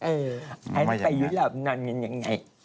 เออไปยุโรปนอนยังไง